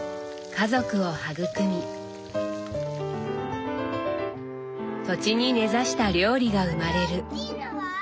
家族を育み土地に根ざした料理が生まれる。